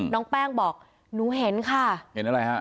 น้องแป้งบอกหนูเห็นค่ะเห็นอะไรฮะ